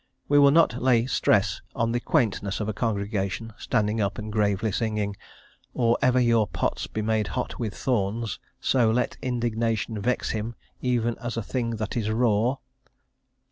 We will not lay stress on the quaintness of a congregation standing up and gravely singing: "Or ever your pots be made hot with thorns, so let indignation vex him, even as a thing that is raw" (Ps.